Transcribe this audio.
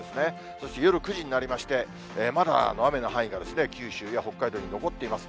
そして夜９時になりまして、まだ雨の範囲が、九州や北海道に残っています。